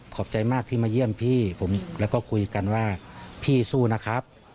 ขอบใจมากที่มาเยี่ยมพี่ผมแล้วก็คุยกันว่าพี่สู้นะครับ